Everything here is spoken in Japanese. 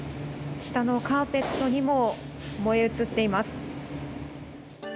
下のカーペットにも燃え移っています。